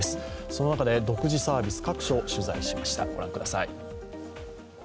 その中で独自サービス、各所取材しました、御覧ください。